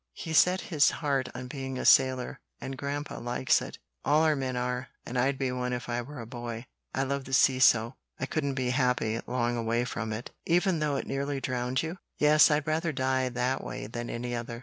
He's set his heart on being a sailor, and Grandpa likes it. All our men are, and I'd be one if I were a boy. I love the sea so, I couldn't be happy long away from it." "Even though it nearly drowned you?" "Yes, I'd rather die that way than any other.